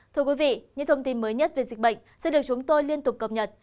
thưa quý vị những thông tin mới nhất về dịch bệnh sẽ được chúng tôi liên tục cập nhật